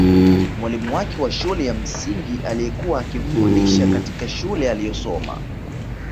Mwalimu wake wa shule ya msingi aliyekuwa akimfundisha katika shule aliyosoma